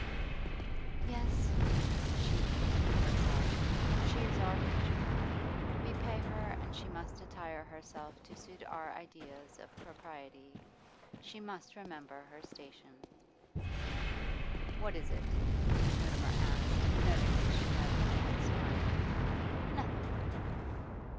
'Yes,' she mused with herself, 'she is our creature. We pay her and she must attire herself to suit our ideas of propriety. She must remember her station.' 'What is it?' Mutimer asked, noticing that she had again smiled. 'Nothing.